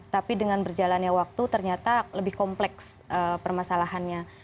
tapi dengan berjalannya waktu ternyata lebih kompleks permasalahannya